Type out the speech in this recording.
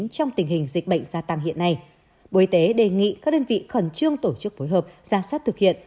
trong tình hình dịch bệnh gia tăng hiện nay bộ y tế đề nghị các đơn vị khẩn trương tổ chức phối hợp ra soát thực hiện